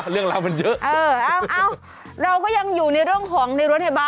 เรื่องราวมันเยอะอย่างนี้แหละเรื่องราวมันเยอะ